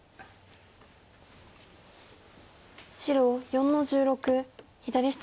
白４の十六左下隅星。